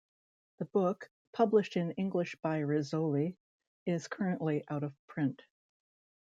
The book, published in English by Rizzoli, is currently out of print.